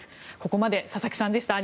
ここまで佐々木さんでした。